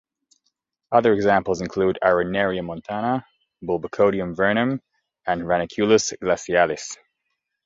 Other examples include "Arenaria montana", "Bulbocodium vernum", and "Ranunculus glacialis".